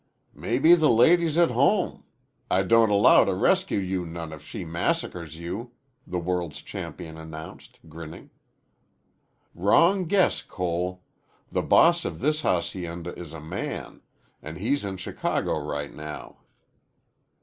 "Mebbe the lady's at home. I don't allow to rescue you none if she massacrees you," the world's champion announced, grinning. "Wrong guess, Cole. The boss of this hacienda is a man, an' he's in Chicago right now."